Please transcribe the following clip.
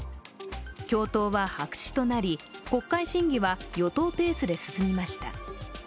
共闘は白紙となり、国会審議は与党ペースで進みました。